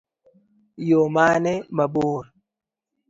Yoo mane mabor?